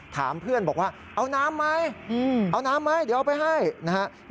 ถามเพื่อนบอกว่าเอาน้ำไหมเอาน้ำไหมเดี๋ยวเอาไปให้นะครับ